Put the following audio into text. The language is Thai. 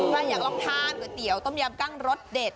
ใครอยากลองทานก๋วยเตี๋ยวต้มยำกั้งรสเด็ด